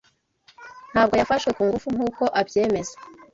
Ntabwo yafashwe Ku ngufu nkuko abyemeza